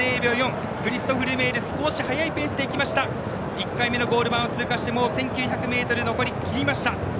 １回目のゴール場を通過して残り１４００ｍを切りました。